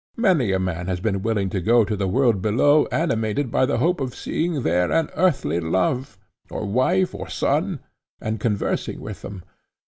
Many a man has been willing to go to the world below animated by the hope of seeing there an earthly love, or wife, or son, and conversing with them.